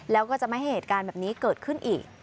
แล้วก็จะไม่ให้เหตุการณ์แบบนี้เกิดขึ้นอีก